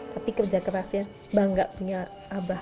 tapi kerja keras ya bangga punya abah